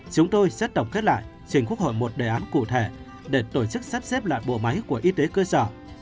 chúng tôi sẽ tổng kết lại trình quốc hội một đề án cụ thể để tổ chức sắp xếp lại bộ máy của y tế cơ sở